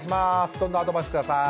どんどんアドバイス下さい。